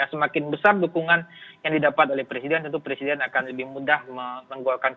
semakin besar dukungan yang didapat oleh presiden tentu presiden akan lebih mudah mengeluarkan kebijakan kebijakan penting di dpr